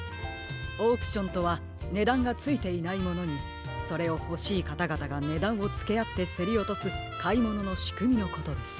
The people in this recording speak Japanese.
オークションとはねだんがついていないものにそれをほしいかたがたがねだんをつけあってせりおとすかいもののしくみのことです。